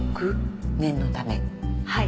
はい。